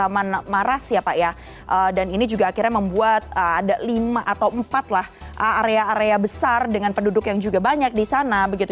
taman maras ya pak ya dan ini juga akhirnya membuat ada lima atau empat lah area area besar dengan penduduk yang juga banyak di sana begitu